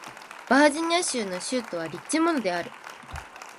バージニア州の州都はリッチモンドである